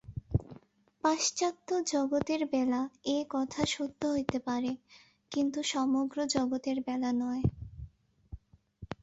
পাশ্চাত্য-জগতের বেলা এ-কথা সত্য হইতে পারে, কিন্তু সমগ্র জগতের বেলা নয়।